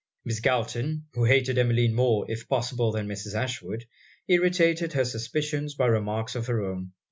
Miss Galton, who hated Emmeline more if possible than Mrs. Ashwood, irritated her suspicions by remarks of her own.